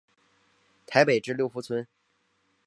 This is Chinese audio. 台北至六福村。